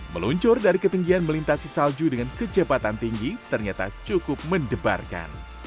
meluncur dari ketinggian melintasi salju dengan kecepatan tinggi ternyata cukup mendebarkan